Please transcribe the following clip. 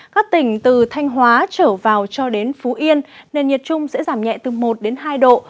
các tỉnh từ thanh hóa trở vào cho đến phú yên nền nhiệt trung sẽ giảm nhẹ từ một đến hai độ